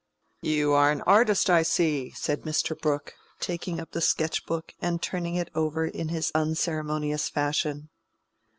"You are an artist, I see," said Mr. Brooke, taking up the sketch book and turning it over in his unceremonious fashion.